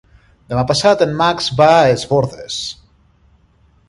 Demà passat en Max va a Es Bòrdes.